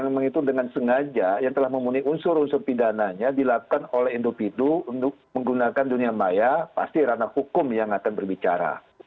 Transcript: yang menghitung dengan sengaja yang telah memenuhi unsur unsur pidananya dilakukan oleh individu untuk menggunakan dunia maya pasti ranah hukum yang akan berbicara